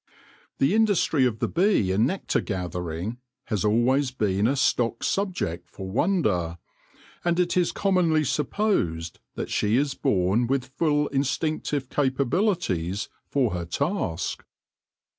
The industry of the bee in nectar gathering has always been a stock subject for wonder, and it is commonly supposed that she is born with full instinc tive capabilities for her task.